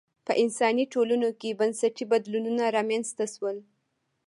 په انسان ټولنو کې بنسټي بدلونونه رامنځته شول